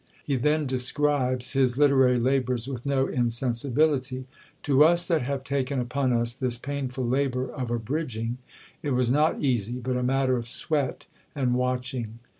He then describes his literary labours with no insensibility: "To us that have taken upon us this painful labour of abridging, it was not easy, but a matter of sweat and watching."